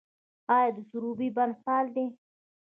آیا د سروبي بند فعال دی؟